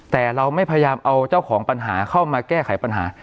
แต่เราไม่พยายามเอาเจ้าของปัญหาเข้ามาแก้ไขปัญหา